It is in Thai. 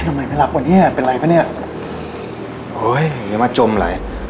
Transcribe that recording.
ทำไมไม่หลับกว่านี้เป็นไรกันเนี้ย